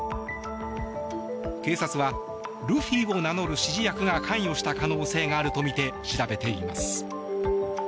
警察は、ルフィを名乗る指示役が関与した可能性があるとみて調べています。